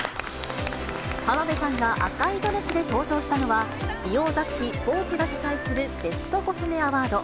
浜辺さんが赤いドレスで登場したのは、美容雑誌、ヴォーチェが主催するベストコスメアワード。